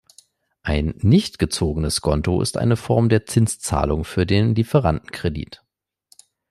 Ein nicht gezogenes Skonto ist eine Form der Zinszahlung für den Lieferantenkredit.